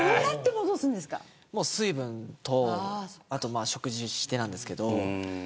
水分と食事してなんですけど。